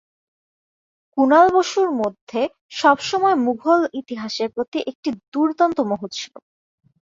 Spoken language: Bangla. কুনাল বসুর মধ্যে সবসময় মুঘল ইতিহাসের প্রতি একটি দুর্দান্ত মোহ ছিল।